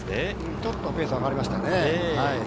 ちょっとペースが上がりましたね。